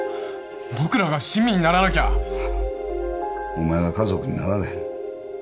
僕らが親身にならなきゃお前は家族になられへん